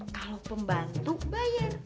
kalau pembantu bayar